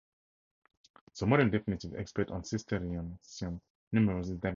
The modern definitive expert on Cistercian numerals is David King.